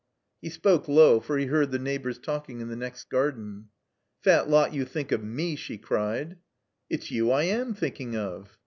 He spoke low, for he heard the neighbors talking in the next garden. "Pat lot you think of w^.'" she cried. "It's you I am thinking of."